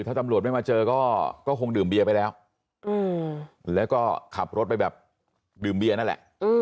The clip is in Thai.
ถ้าตำรวจไม่มาเจอก็คงดื่มเบียร์ไปแล้วแล้วก็ขับรถไปแบบดื่มเบียร์นั่นแหละ